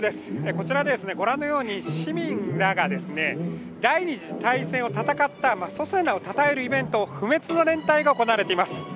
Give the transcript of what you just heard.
こちらご覧のように市民らが、第二次大戦を戦った祖先らをたたえるイベント不滅の連隊が行われています。